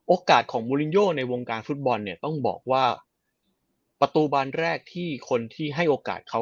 โอกาสของมูลินโยในวงการฟุตบอลเนี่ยต้องบอกว่าประตูบานแรกที่คนที่ให้โอกาสเขา